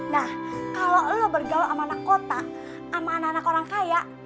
nah kalau lo bergaul sama anak kota sama anak anak orang kaya